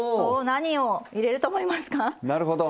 何を入れると思いますか？